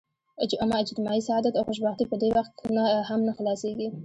اما اجتماعي سعادت او خوشبختي په دې وخت هم نه حلاصیږي.